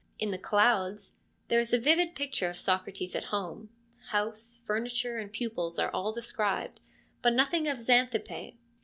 In the Clouds there is a vivid picture of Socrates at home : house, furniture, and pupils are all described, but nothing of Xanthippe.